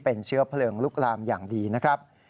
เป็นเชื้อเพลิงลุกลามอย่างดีนะครับ